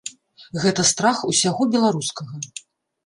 Гэта страх усяго беларускага.